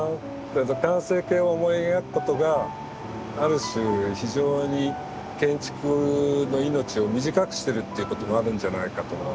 完成形を思い描くことがある種非常に建築の命を短くしてるっていうこともあるんじゃないかと思うんです。